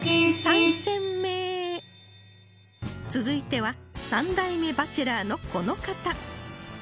続いては３代目バチェラーのこの方